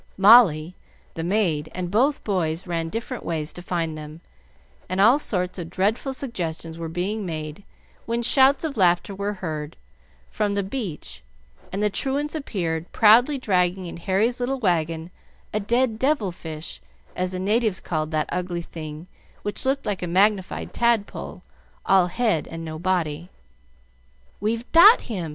Molly, the maid, and both boys ran different ways to find them; and all sorts of dreadful suggestions were being made when shouts of laughter were heard from the beach, and the truants appeared, proudly dragging in Harry's little wagon a dead devil fish, as the natives call that ugly thing which looks like a magnified tadpole all head and no body. "We've dot him!"